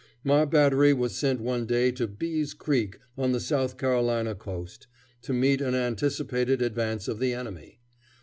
My battery was sent one day to Bee's Creek, on the South Carolina coast, to meet an anticipated advance of the enemy.